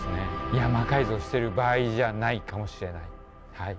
いや魔改造してる場合じゃないかもしれないはい。